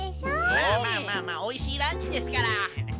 まあまあまあまあおいしいランチですから。